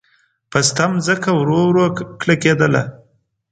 پسته ځمکه ورو ورو کلکېدله.